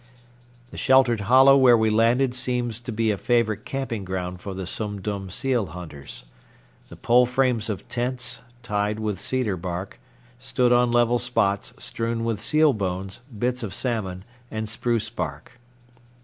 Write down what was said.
The sheltered hollow where we landed seems to be a favorite camping ground for the Sum Dum seal hunters. The pole frames of tents, tied with cedar bark, stood on level spots strewn with seal bones, bits of salmon, and spruce bark.